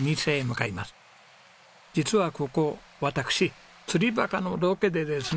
実はここ私『釣りバカ』のロケでですね